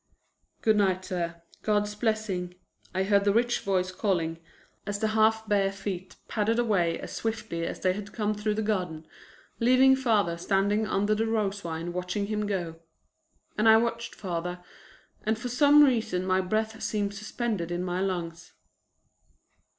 "Good night, sir. God's blessing," I heard the rich voice calling as the half bare feet padded away as swiftly as they had come through the garden, leaving father standing under the rose vine watching him go. And I watched father and for some reason my breath seemed suspended in my lungs.